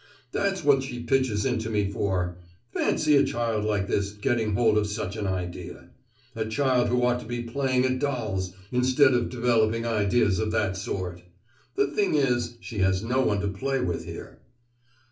That's what she pitches into me for! Fancy a child like this getting hold of such an idea!—a child who ought to be playing at dolls, instead of developing ideas of that sort! The thing is, she has no one to play with here."